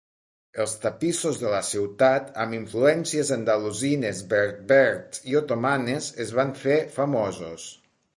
Els tapissos de la ciutat amb influències andalusines, berbers i otomanes es van fer famosos.